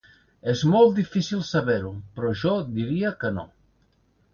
És molt difícil saber-ho, però jo diria que no.